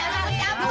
ini apa sih kampung